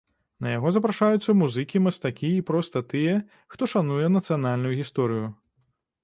На яго запрашаюцца музыкі, мастакі і проста тыя, хто шануе нацыянальную гісторыю.